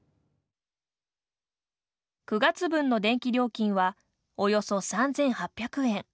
９月分の電気料金はおよそ３，８００円。